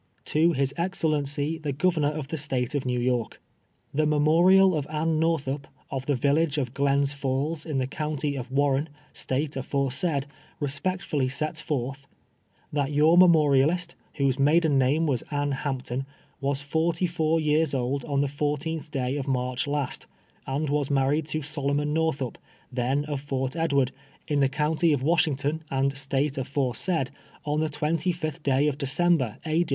To Ills Uxccllencij. the Governor of the State of Xew York : The memorial of Anne Northup, of the viHage of Glens Falls, iu the comity of Warren, State aforesaid, respectfully sets forth — Tliat your memorialist, whose maiden name was Anne Hamp ton, was forty four years old on the 14th day of March last, and was married to Sohjmon Northup, then of Fort Edward, in the comity of Washington and State aforesaid, on the 25th day of December, A.